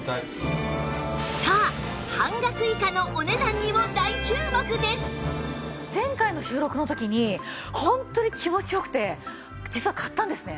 さあ前回の収録の時にホントに気持ちよくて実は買ったんですね。